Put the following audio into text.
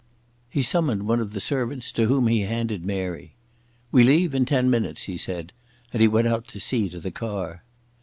He summoned one of the servants to whom he handed Mary. "We leave in ten minutes," he said, and he went out to see to the car.